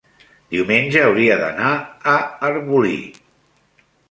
diumenge hauria d'anar a Arbolí.